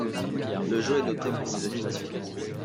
Le jeu est noté pour ses animations.